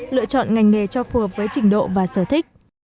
lựa chọn ngành nghề cho phù hợp với trình độ và sở thích